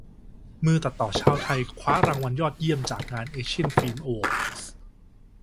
มือตัดต่อชาวไทย คว้ารางวัลยอดเยี่ยมจากงาน "เอเชียน ฟิล์ม อวอร์ดส์"